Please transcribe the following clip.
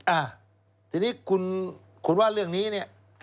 อ่าทีนี้คุณคุณว่าเรื่องนี้เนี่ย